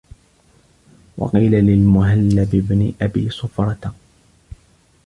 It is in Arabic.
وَقِيلَ لِلْمُهَلَّبِ بْنِ أَبِي صُفْرَةَ